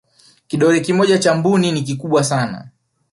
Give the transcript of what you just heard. kidole kimoja cha mbuni ni kikubwa sana